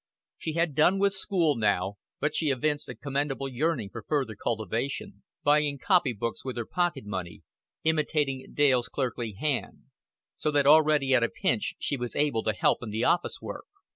She had done with school now, but she evinced a commendable yearning for further cultivation, buying copy books with her pocket money, imitating Dale's clerkly hand; so that already at a pinch she was able to help in the office work.